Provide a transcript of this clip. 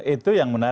itu yang menarik